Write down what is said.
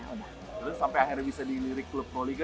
terus sampai akhirnya bisa di lirik klub proliga